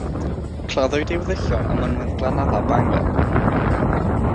Claddwyd ei weddillion ym mynwent Glanadda, Bangor.